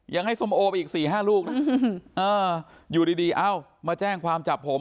ยังให้ส้มโอไปอีก๔๕ลูกนะอยู่ดีเอ้ามาแจ้งความจับผม